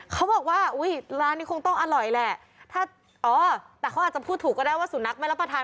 เขาบอกว่าอุ้ยร้านนี้คงต้องอร่อยแหละถ้าอ๋อแต่เขาอาจจะพูดถูกก็ได้ว่าสุนัขไม่รับประทาน